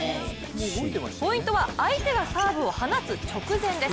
ポイントは、相手がサーブを放つ直前です。